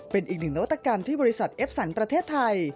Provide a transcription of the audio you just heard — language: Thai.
เป็นอีกหนึ่งนวัตกรรมที่บริษัทเอฟสันประเทศไทย